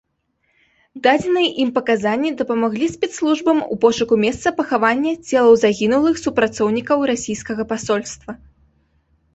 Дадзеныя ім паказанні дапамаглі спецслужбам ў пошуку месца пахавання целаў загінулых супрацоўнікаў расійскага пасольства.